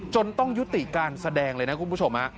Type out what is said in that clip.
ต้องยุติการแสดงเลยนะคุณผู้ชม